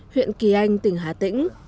huyện kỳ anh tỉnh hà tĩnh